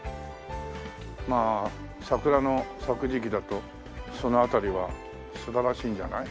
まあ桜の咲く時期だとその辺りは素晴らしいんじゃない？